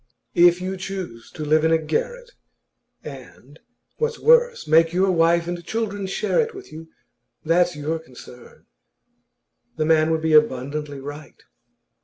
If you choose to live in a garret, and, what's worse, make your wife and children share it with you, that's your concern." The man would be abundantly right.